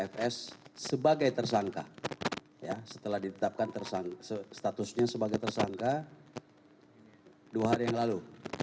fs sebagai tersangka setelah ditetapkan statusnya sebagai tersangka dua hari yang lalu